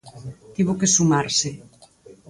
Tivo que sumarse.